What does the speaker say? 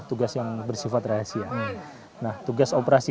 tugas yang bersifat rahasia nah tugas operasi